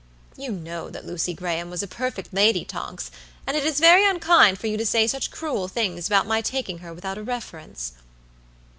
You know that Lucy Graham was a perfect lady, Tonks, and it is very unkind for you to say such cruel things about my taking her without a reference."